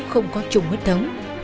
không có chung huyết thống